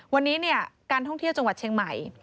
วันนี้การท่องเที่ยวจังหวัดเชียงใหม่